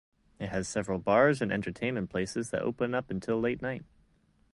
It has several bars and entertainment places that open up until late night.